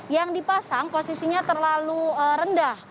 yang dipasang posisinya terlalu rendah